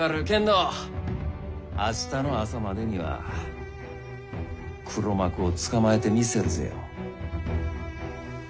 けんど明日の朝までには黒幕を捕まえてみせるぜよ。